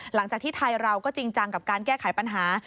หลังจากที่ไทยเราก็จริงจังกับการแก้ไขปัญหา